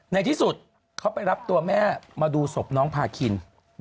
ในที่สุดเขาไปรับตัวแม่มาดูศพน้องพาคิน